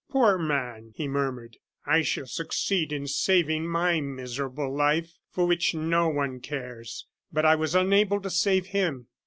"Poor man!" he murmured. "I shall succeed in saving my miserable life, for which no one cares, but I was unable to save him.